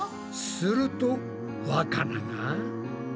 するとわかなが。